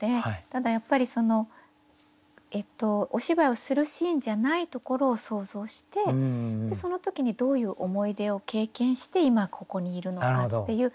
ただやっぱりそのお芝居をするシーンじゃないところを想像してその時にどういう思い出を経験して今ここにいるのかっていう。